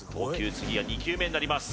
次は２球目になります